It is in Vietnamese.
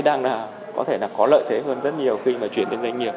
đang có lợi thế hơn rất nhiều khi chuyển sang doanh nghiệp